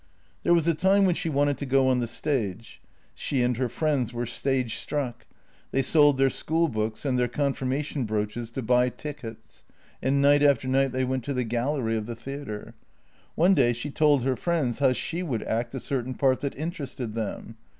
There was a time when she wanted to go on the stage. She and her friends were stage struck; they sold their school books and their confirmation brooches to buy tickets, and night after night they went to the gallery of the theatre. One day she told her friends how she would act a certain part that interested them.